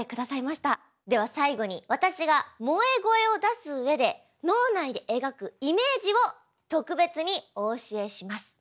では最後に私が萌え声を出すうえで脳内で描くイメージを特別にお教えします。